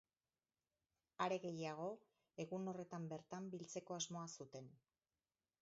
Are gehiago, egun horretan bertan biltzeko asmoa zuten.